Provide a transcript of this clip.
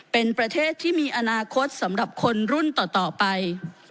เป็นประเทศที่มีอนาคตสำหรับคนรุ่นต่อไป